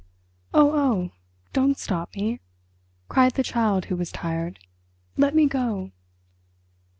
"Oh, oh, don't stop me," cried the Child Who Was Tired. "Let me go."